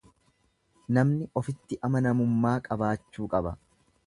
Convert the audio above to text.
Namni ofitti amanamummaa qabaachuu qaba.